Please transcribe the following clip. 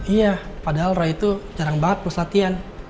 iya padahal roy itu jarang banget terus latihan